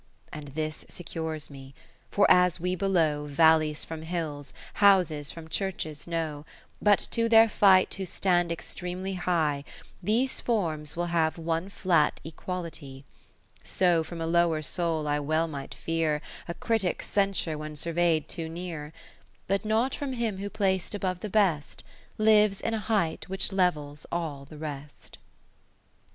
And this secures me : for as we below Valleys from hills, houses from churches know, But to their fight who stand extremely high, These forms will have one flat equality : So from a lower soul I well might fear A critic censure when survey'd too near ; But not from him who plac'd above the best. Lives in a height which levels all the rest.